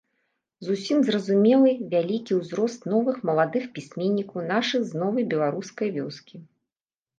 Зусім зразумелы вялікі ўзрост новых маладых пісьменнікаў нашых з новай беларускай вёскі.